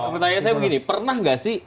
pertanyaan saya begini pernah nggak sih